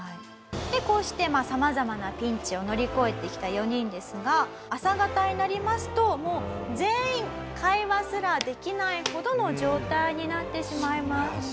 こうして様々なピンチを乗り越えてきた４人ですが朝方になりますともう全員会話すらできないほどの状態になってしまいます。